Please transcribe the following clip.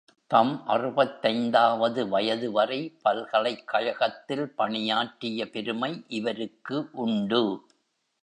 தம் அறுபத்தைந்தாவது வயதுவரை பல்கலைக் கழகத்தில் பணியாற்றிய பெருமை இவருக்கு உண்டு.